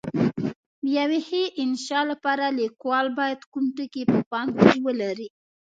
د یوې ښې انشأ لپاره لیکوال باید کوم ټکي په پام کې ولري؟